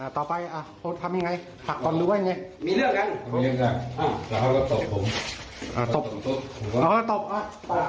ต่อไปโพธิ์ทำยังไงหากตอนรู้แล้วยังไง